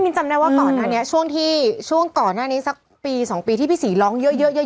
มินจำได้ว่าก่อนหน้านี้ช่วงก่อนหน้านี้สักปี๒ปีที่พี่ศรีร้องเยอะ